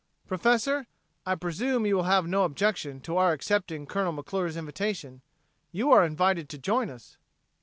"Professor, I presume you will have no objection to our accepting Colonel McClure's invitation? You are invited to join us."